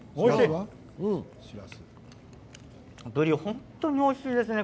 本当においしいですね